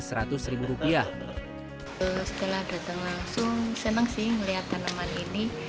setelah datang langsung senang sih melihat tanaman ini